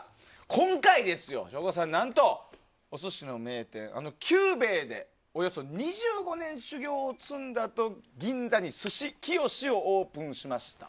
今回、省吾さん、何とお寿司の名店あの久兵衛でおよそ２５年、修業を積んで銀座に鮨きよしをオープンしました。